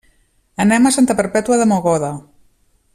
Anem a Santa Perpètua de Mogoda.